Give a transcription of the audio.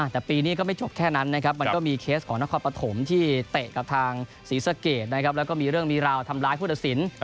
แต่ปีนี้ก็ไม่จบแค่นั้นนะครับมันก็มีเคสของนครปฐมที่เตะกับทางศรีสะเกดนะครับแล้วก็มีเรื่องมีราวทำร้ายผู้ตัดสิน